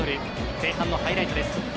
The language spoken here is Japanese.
前半のハイライトです。